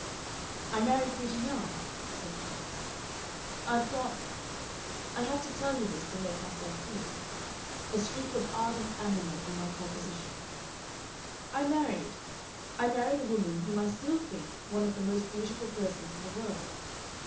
"I married pretty young," said Capes. "I've got I have to tell you this to make myself clear a streak of ardent animal in my composition. I married I married a woman whom I still think one of the most beautiful persons in the world.